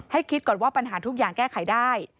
คิดก่อนว่าปัญหาทุกอย่างแก้ไขได้